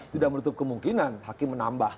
tidak menutup kemungkinan hakim menambah